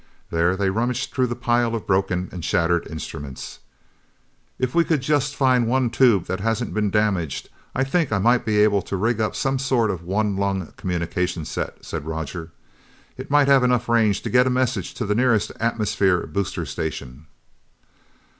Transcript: There, they rummaged through the pile of broken and shattered instruments. "If we could find just one tube that hasn't been damaged, I think I might be able to rig up some sort of one lung communications set," said Roger. "It might have enough range to get a message to the nearest atmosphere booster station."